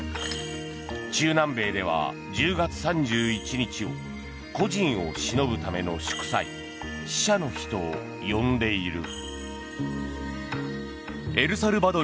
中南米では１０月３１日を故人をしのぶための祝祭死者の日と呼んでいる。